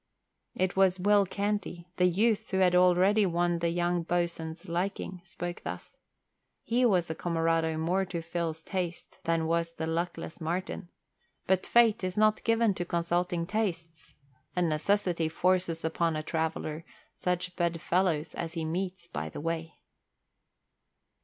It was Will Canty, the youth who had already won the young boatswain's liking, spoke thus. He was a comerado more to Phil's taste than was the luckless Martin; but fate is not given to consulting tastes, and necessity forces upon a traveller such bedfellows as he meets by the way.